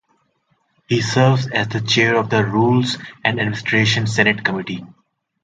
He serves as the Chair of the Rules and Administration Senate Committee.